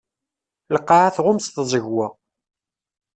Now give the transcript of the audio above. Lqaɛa tɣumm s tẓegwa.